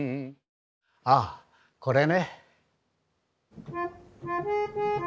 あこれね。